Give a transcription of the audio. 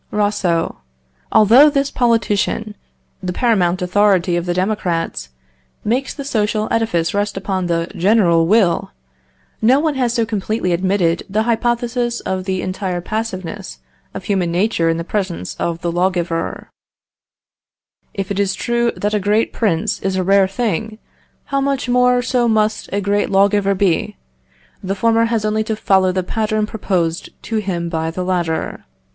Rousseau. Although this politician, the paramount authority of the Democrats, makes the social edifice rest upon the general will, no one has so completely admitted the hypothesis of the entire passiveness of human nature in the presence of the lawgiver: "If it is true that a great prince is a rare thing, how much more so must a great lawgiver be? The former has only to follow the pattern proposed to him by the latter.